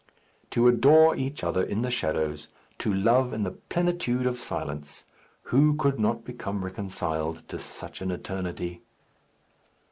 To adore each other in the shadows, to love in the plenitude of silence; who could not become reconciled to such an eternity?